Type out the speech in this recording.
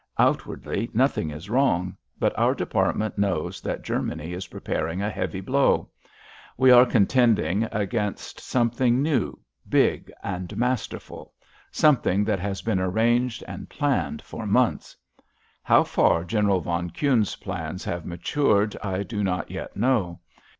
Outwardly nothing is wrong, but our department knows that Germany is preparing a heavy blow. We are contending against something new, big, and masterful; something that has been arranged and planned for months. How far General von Kuhne's plans have matured I do not yet know.